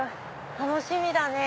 楽しみだね。